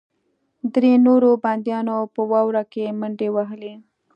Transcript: درې نورو بندیانو په واوره کې منډې وهلې